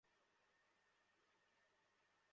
Hello, Prashant বলছি।